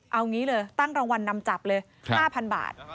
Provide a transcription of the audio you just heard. เอางี้เลยตั้งรางวัลนำจับเลย๕๐๐บาท